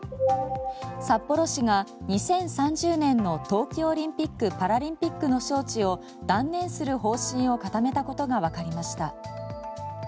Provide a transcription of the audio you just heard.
札幌市が２０３０年の冬季オリンピック・パラリンピックの招致を断念する方針を固めたことがわかりました。